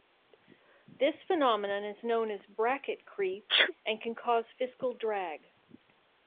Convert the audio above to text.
This phenomenon is known as "bracket creep" and can cause fiscal drag.